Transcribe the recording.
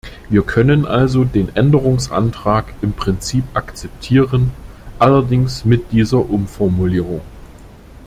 Wir können also den Änderungsantrag im Prinzip akzeptieren, allerdings mit dieser Umformulierung.